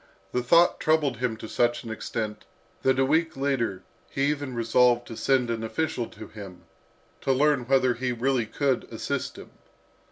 The thought troubled him to such an extent, that a week later he even resolved to send an official to him, to learn whether he really could assist him.